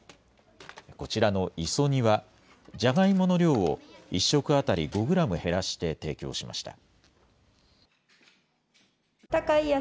こちらの磯煮は、じゃがいもの量を１食当たり５グラム減らして提供しました。